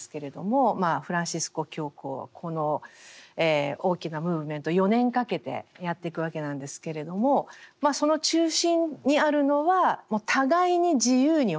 フランシスコ教皇はこの大きなムーブメントを４年かけてやっていくわけなんですけれどもその中心にあるのはもう互いに自由に分かち合うと。